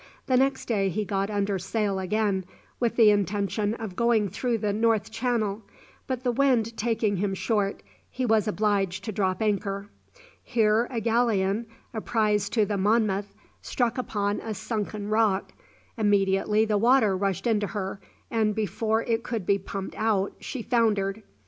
The next day he got under sail again, with the intention of going through the north channel, but the wind taking him short, he was obliged to drop anchor. Here a galleon, a prize to the "Monmouth," struck upon a sunken rock. Immediately the water rushed into her, and before it could be pumped out she foundered.